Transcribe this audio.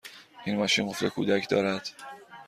این ماشین قفل کودک دارد؟